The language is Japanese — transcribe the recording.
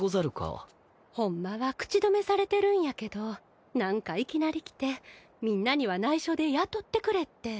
ホンマは口止めされてるんやけど何かいきなり来てみんなには内緒で雇ってくれって。